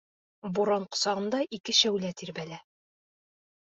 Буран ҡосағында ике шәүлә тирбәлә.